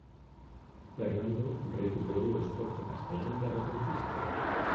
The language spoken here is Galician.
Fernando recuperou o esforzo castelán de reconquista.